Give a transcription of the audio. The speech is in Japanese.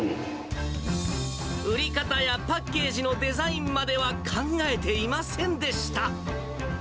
売り方やパッケージのデザインまでは考えていませんでした。